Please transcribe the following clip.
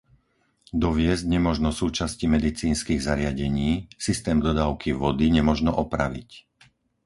Doviesť nemožno súčasti medicínskych zariadení, systém dodávky vody nemožno opraviť.